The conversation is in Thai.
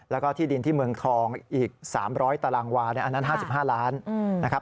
แล้วก็ที่ดินที่เมืองทองอีก๓๐๐ตารางวาอันนั้น๕๕ล้านนะครับ